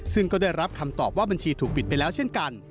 ซึ่งก็ได้รับคำตอบว่าบัญชีถูกปิดไปแล้วเช่นกัน